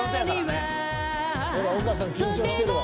丘さん、緊張してるわ。